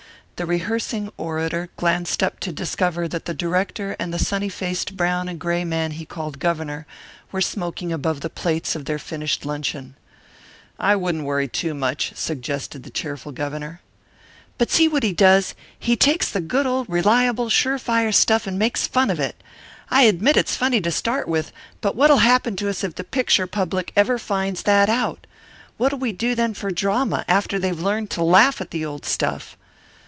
The rehearsing orator glanced up to discover that the director and the sunny faced brown and gray man he called Governor were smoking above the plates of their finished luncheon. "I wouldn't worry too much," suggested the cheerful governor. "But see what he does: he takes the good old reliable, sure fire stuff and makes fun of it. I admit it's funny to start with, but what'll happen to us if the picture public ever finds that out? What'll we do then for drama after they've learned to laugh at the old stuff?"